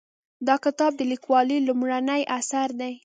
دا کتاب د لیکوالې لومړنی اثر دی